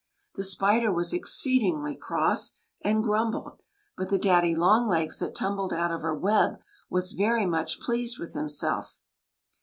The spider was exceed ingly cross, and grumbled ; but the daddy long legs that tumbled out of her web was very much pleased with himself.